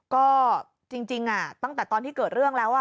ก็จริงตั้งแต่ตอนที่เกิดเรื่องแล้ว